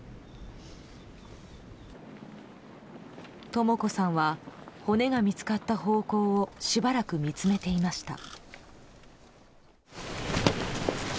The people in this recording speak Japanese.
とも子さんは骨が見つかった方向をしばらく見つめていました。